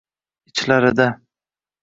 Ichlarida